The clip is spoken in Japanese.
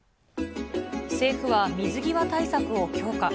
政府は水際対策を強化。